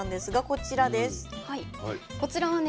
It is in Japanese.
こちらはね